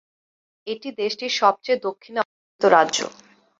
এটি দেশটির সবচেয়ে দক্ষিণে অবস্থিত রাজ্য।